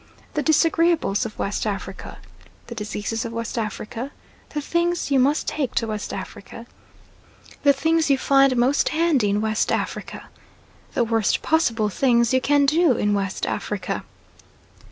The disagreeables of West Africa. The diseases of West Africa. The things you must take to West Africa. The things you find most handy in West Africa. The worst possible things you can do in West Africa.